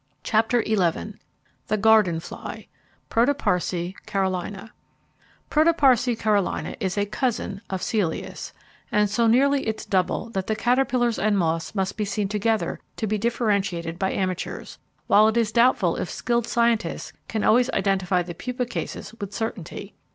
CHAPTER XI The Garden Fly: Protoparce Carolina Protoparce Carolina is a 'cousin' of Celeus, and so nearly its double that the caterpillars and moths must be seen together to be differentiated by amateurs; while it is doubtful if skilled scientists can always identify the pupa cases with certainty.